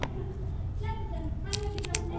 じゃあ私あの買い物行ってきますね。